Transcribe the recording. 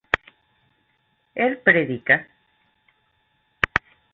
él predica